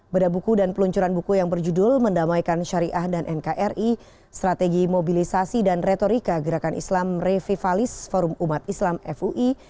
beda buku dan peluncuran buku yang berjudul mendamaikan syariah dan nkri strategi mobilisasi dan retorika gerakan islam revivalis forum umat islam fui